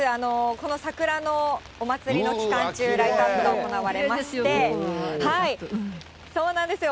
この桜のお祭りの期間中、ライトアップが行われまして、そうなんですよ。